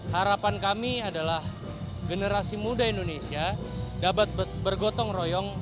harapan kami adalah generasi muda indonesia dapat bergotong royong